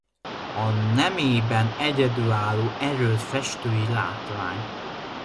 A nemében egyedülálló erőd festői látvány.